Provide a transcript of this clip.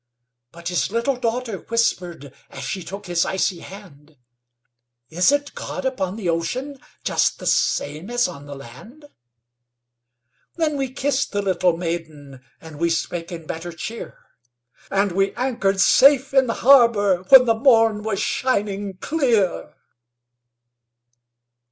But his little daughter whispered, As she took his icy hand, "Isn't God upon the ocean, Just the same as on the land?" Then we kissed the little maiden, And we spake in better cheer, And we anchored safe in harbor When the morn was shining clear.